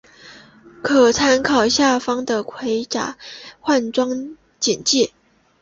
可参考下方的盔甲换装简介。